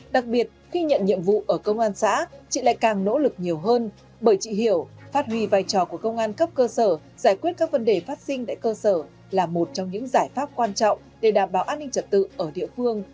đặc biệt khi nhận nhiệm vụ ở công an xã chị lại càng nỗ lực nhiều hơn bởi chị hiểu phát huy vai trò của công an cấp cơ sở giải quyết các vấn đề phát sinh tại cơ sở là một trong những giải pháp quan trọng để đảm bảo an ninh trật tự ở địa phương